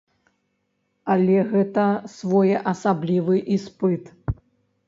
Але гэта своеасаблівы іспыт.